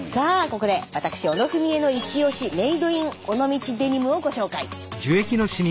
ここで私小野文惠のイチオシメイドイン尾道デニムをご紹介。